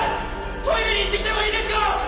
トイレに行ってきてもいいですか？